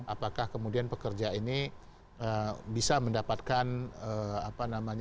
apakah kemudian pekerja ini bisa mendapatkan job placement